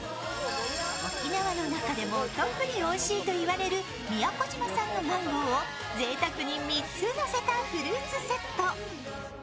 沖縄の中でも特においしいと言われる宮古島産のマンゴーをぜいたくに３つのせたフルーツセット。